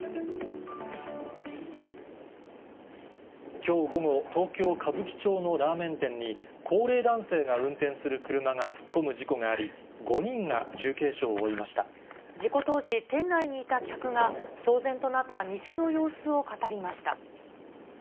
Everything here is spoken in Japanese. きょう午後、東京・歌舞伎町のラーメン店に、高齢男性が運転する車が突っ込む事故があり、事故当時、店内にいた客が、騒然となった店の様子を語りました。